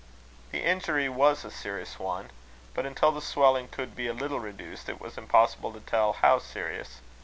The injury was a serious one; but until the swelling could be a little reduced, it was impossible to tell how serious.